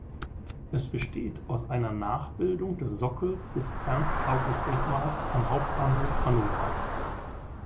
Es besteht aus einer Nachbildung des Sockels des Ernst-August-Denkmals am Hauptbahnhof Hannover.